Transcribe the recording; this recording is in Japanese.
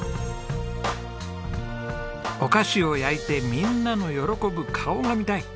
お菓子を焼いてみんなの喜ぶ顔が見たい。